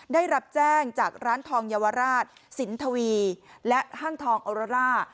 ได้รับแจ้งจากร้านทองเยาวราชสินทวีและห้างทองโอโรล่า